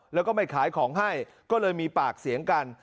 แล้วก็ไม่ขายของให้ก็เลยมีปากเสียงกัน